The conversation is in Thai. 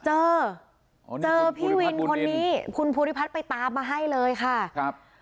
เจอพี่วินคนนี้คุณภูริภัฐไปตามมาให้เลยค่ะ